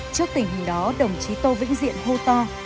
trước tình hình đó đồng chí tô vĩnh diện hô to